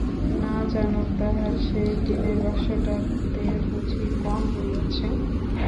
না জানুক, তাহার সেই টিনের বাক্সটাতে বুঝি কম বই আছে?